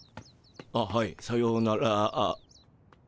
あっはいさようなら。